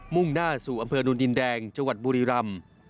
่งหน้าสู่อำเภอนุนดินแดงจังหวัดบุรีรำ